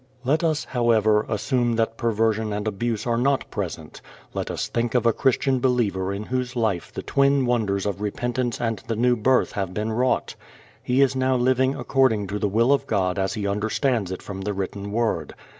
Let us, however, assume that perversion and abuse are not present. Let us think of a Christian believer in whose life the twin wonders of repentance and the new birth have been wrought. He is now living according to the will of God as he understands it from the written Word.